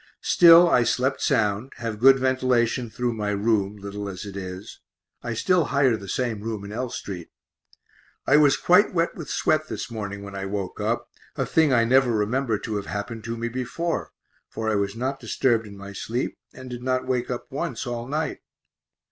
Still, I slept sound, have good ventilation through my room, little as it is (I still hire the same room in L street). I was quite wet with sweat this morning when I woke up, a thing I never remember to have happened to me before, for I was not disturbed in my sleep and did not wake up once all night.